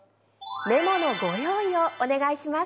メモのご用意をお願いします。